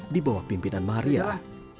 di bawah pimpinan mahariah